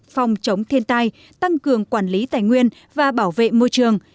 phòng chống thiên tai tăng cường quản lý tài nguyên và bảo vệ môi trường